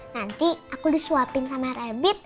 nanti aku disuapin sama rabib